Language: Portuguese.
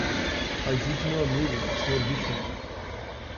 Ajude meu amigo, o Sr. Richard.